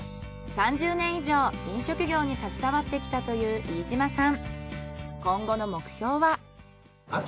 ３０年以上飲食業に携わってきたという飯嶋さん。